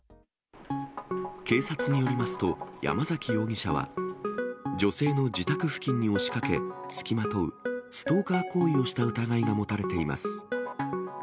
警察によりますと山崎容疑者は、女性の自宅付近に押しかけ、付きまとう、ストーカー行為をした疑いが持たれています。